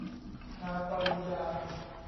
ฮา ปริญญา